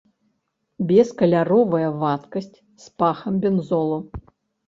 Бескаляровая вадкасць з пахам бензолу.